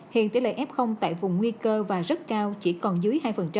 hiện tỷ lệ f tại vùng nguy cơ và rất cao chỉ còn dưới hai